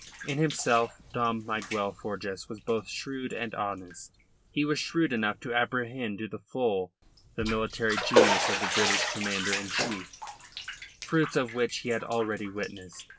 In himself Dom Miguel Forjas was both shrewd and honest. He was shrewd enough to apprehend to the full the military genius of the British Commander in Chief, fruits of which he had already witnessed.